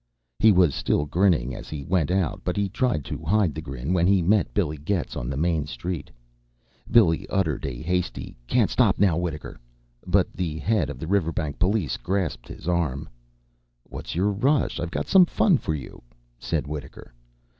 He was still grinning as he went out, but he tried to hide the grin when he met Billy Getz on Main Street. Billy uttered a hasty "Can't stop now, Wittaker!" but the head of the Riverbank police grasped his arm. "What's your rush? I've got some fun for you," said Wittaker.